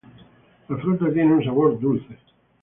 La fruta tiene un sabor dulce.